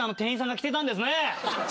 「着てたんですね」